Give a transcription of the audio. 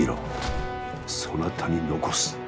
そなたに残す。